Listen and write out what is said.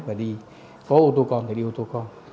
và đi có ô tô con thì đi ô tô con